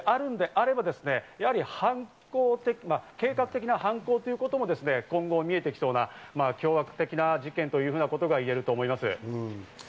持ってきたものであるのであれば、計画的な犯行ということも、今後見えてきそうな凶悪的な事件ということが言えそうです。